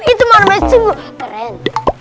itu mana main sungguh keren